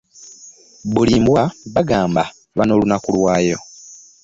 Buli mbwa bagamba eba n'olunaku lwayo.